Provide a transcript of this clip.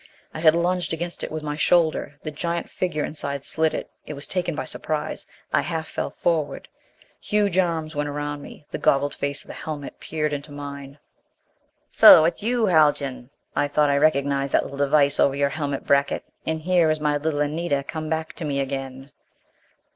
I had lunged against it with my shoulder; the giant figure inside slid it. It was taken by surprise! I half fell forward. Huge arms went around me. The goggled face of the helmet peered into mine. "So it is you, Haljan! I thought I recognized that little device over your helmet bracket. And here is my little Anita, come back to me again!"